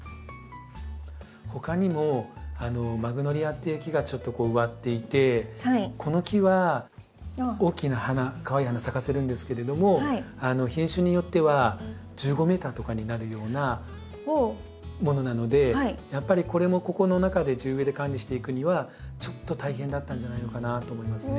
ほかにもマグノリアっていう木がちょっと植わっていてこの木は大きな花かわいい花咲かせるんですけれども品種によっては１５ｍとかになるようなものなのでやっぱりこれもここの中で地植えで管理していくにはちょっと大変だったんじゃないのかなって思いますね。